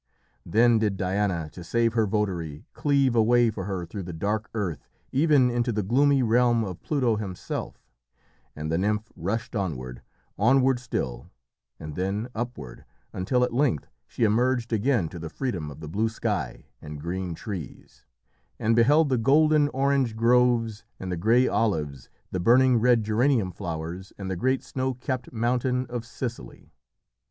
Then did Diana, to save her votary, cleave a way for her through the dark earth even into the gloomy realm of Pluto himself, and the nymph rushed onward, onward still, and then upward, until at length she emerged again to the freedom of the blue sky and green trees, and beheld the golden orange groves and the grey olives, the burning red geranium flowers and the great snow capped mountain of Sicily.